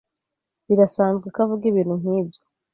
Birasanzwe ko avuga ibintu nkibyo.